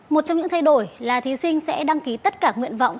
một trong những thay đổi là thí sinh sẽ đăng ký tất cả nguyện vọng